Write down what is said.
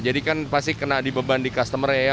jadi kan pasti kena dibeban di customer ya